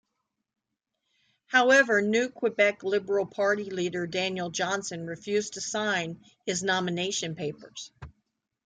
However, new Quebec Liberal Party leader Daniel Johnson refused to sign his nomination papers.